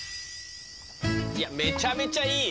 いやめちゃめちゃいい！